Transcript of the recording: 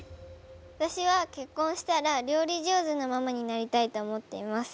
わたしは結婚したら料理上手なママになりたいと思っています。